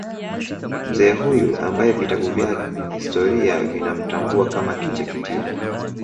Mzee huyu ambaye vitabu vya historia vinamtambua kama Kinjekitile